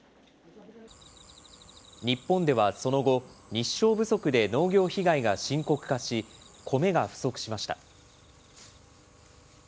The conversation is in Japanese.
日本ではその後、日照不足で農業被害が深刻化し、コメが不足しました。